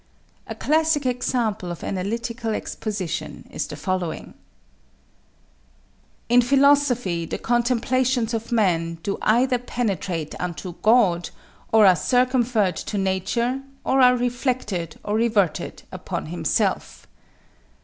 A classic example of analytical exposition is the following: In philosophy the contemplations of man do either penetrate unto God, or are circumferred to nature, or are reflected or reverted upon himself.